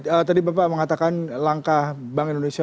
pak berarti tadi bapak mengatakan langkah bank indonesia